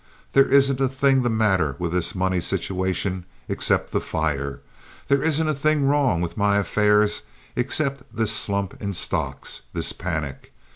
There isn't a thing the matter with this money situation except the fire. There isn't a thing wrong with my affairs except this slump in stocks—this panic.